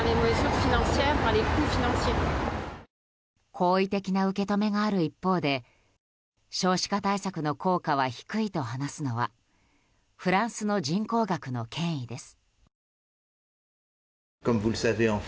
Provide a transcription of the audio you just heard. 好意的な受け止めがある一方で少子化対策の効果は低いと話すのはフランスの人口学の権威です。